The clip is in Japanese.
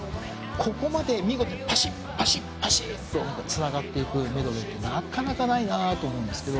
ここまで見事にぱしっぱしっぱしっとつながっていくメドレーってなかなかないなと思うんですけど。